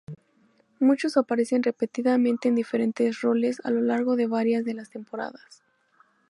Muchos aparecen repetidamente en diferentes roles a lo largo de varias de las temporadas.